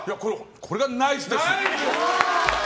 これがナイスですよ。